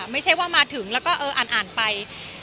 ไม่ใช่ว่ามาถึงแล้วก็อ่านไป